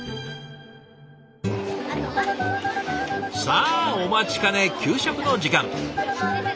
さあお待ちかね給食の時間。